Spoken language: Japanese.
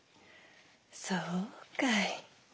そうかい。